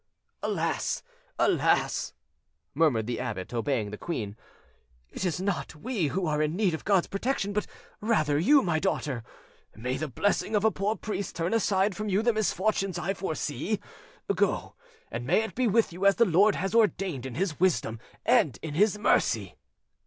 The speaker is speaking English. "Alas! alas!" murmured the abbot, obeying the queen, "it is not we who are in need of God's protection, but rather you, my daughter. May the blessing of a poor priest turn aside from you the misfortunes I foresee! Go, and may it be with you as the Lord has ordained in His wisdom and in His mercy!"